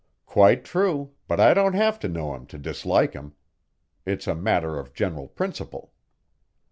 "Quite true, but I don't have to know him to dislike him. It's a matter of general principle."